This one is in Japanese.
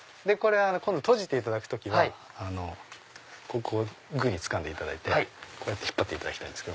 今度閉じていただく時はここをつかんでいただいて引っ張っていただきたいんです。